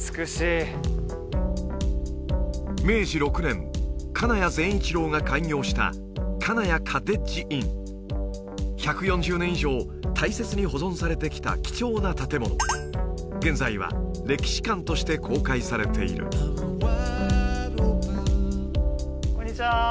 明治６年金谷善一郎が開業した金谷カテッジイン１４０年以上大切に保存されてきた貴重な建物現在は歴史館として公開されているこんにちは